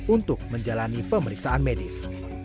untuk menjalani pemeriksaan medis